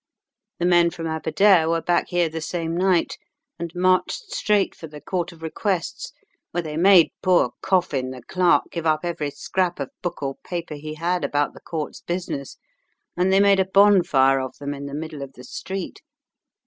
The men from Aberdare were back here the same night, and marched straight for the Court of Requests, where they made poor Coffin, the clerk, give up every scrap of book or paper he had about the Court's business, and they made a bonfire of them in the middle of the street.